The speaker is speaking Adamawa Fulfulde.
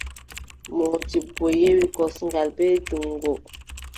Moodibbo yewi kosngal, bee juŋngo.